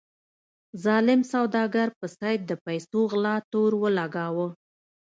ظالم سوداګر په سید د پیسو د غلا تور ولګاوه.